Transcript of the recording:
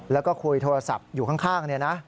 แล้วก็คุยโทรศัพท์อยู่ข้างเนี่ยนะ